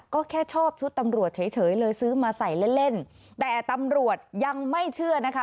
ก็แค่ชอบชุดตำรวจเฉยเลยซื้อมาใส่เล่นเล่นแต่ตำรวจยังไม่เชื่อนะคะ